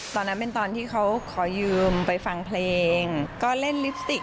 ตอนนั้นเป็นตอนที่เขาขอยืมไปฟังเพลงก็เล่นลิปสติก